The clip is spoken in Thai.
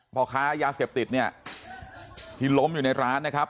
พ่อค้ายาเสพติดเนี่ยที่ล้มอยู่ในร้านนะครับ